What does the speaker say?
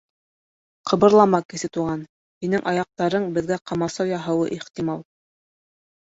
— Ҡыбырлама, Кесе Туған, һинең аяҡтарың беҙгә ҡамасау яһауы ихтимал.